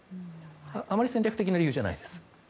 あまり戦略的な理由ではないです。